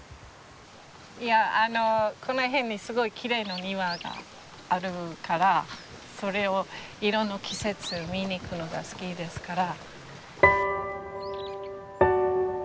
この辺にすごいきれいなお庭があるからそれをいろんな季節見に行くのが好きですから。